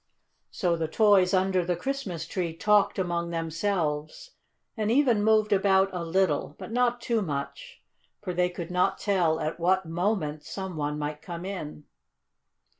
So the toys under the Christmas tree talked among themselves and even moved about a little, but not too much, for they could not tell at what moment some one might come in.